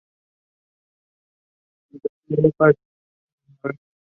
En toda Europa, excepto en el noreste.